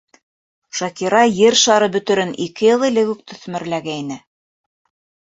Шакира Ер шары бөтөрөн ике йыл элек үк төҫмөрләгәйне.